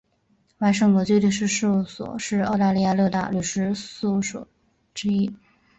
万盛国际律师事务所是澳大利亚六大律师事务所之一。